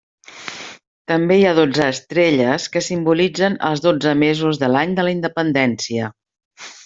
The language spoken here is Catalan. També hi ha dotze estrelles que simbolitzen els dotze mesos de l'any de la independència.